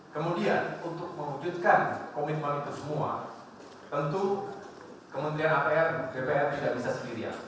kemudian untuk mewujudkan komitmen itu semua tentu kementerian apr dpr tidak bisa sendirian